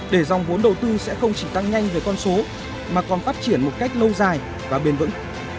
để dòng vốn đầu tư sẽ không chỉ tăng nhanh về con số mà còn phát triển một cách lâu dài và bền vững